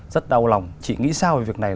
rất đau lòng chị nghĩ sao về việc này